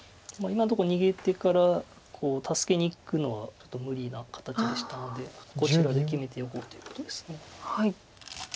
今のとこ逃げてから助けにいくのはちょっと無理な形でしたのでこちらで決めておこうということです。